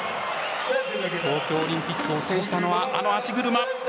東京オリンピックを制したのはあの足車。